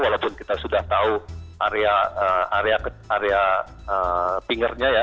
walaupun kita sudah tahu area tersebut